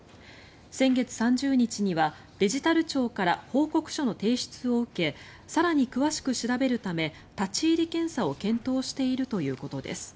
先月３０日にはデジタル庁から報告書の提出を受け更に詳しく調べるため立ち入り検査を検討しているということです。